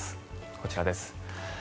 こちらです。